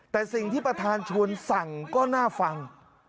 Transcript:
แต่สิ่งที่ประธานชวนสั่งก็น่าฟัง